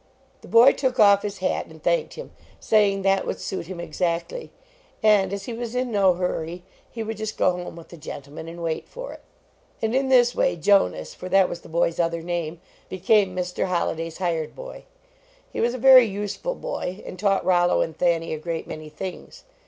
The boy took off his hat and thanked him, saying that would suit him exactly; and as he was in no hurry he would just go home with the gentleman and wait for it. And in this way Jonas, for that was the boy s other name, became Mr. Holliday s hired boy. He was a very useful boy, and taught Rollo and Thanny a great many things.